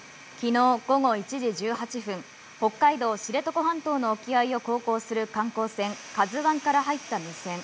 昨日午後１時１８分、北海道知床半島の沖合を航行する観光船・ＫＡＺＵ１から入った無線。